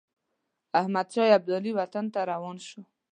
احمدشاه ابدالي وطن ته روان شو.